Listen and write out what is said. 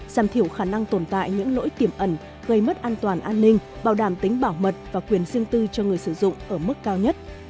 giảm thiểu khả năng tồn tại những nỗi kiểm ẩn gây mất an toàn an ninh bảo đảm tính bảo mật và quyền riêng tư cho người sử dụng ở mức cao nhất